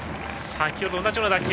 先ほどと同じような打球。